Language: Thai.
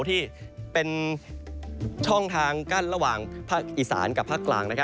ที่เป็นช่องทางกั้นระหว่างภาคอีสานกับภาคกลาง